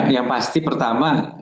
yang pasti pertama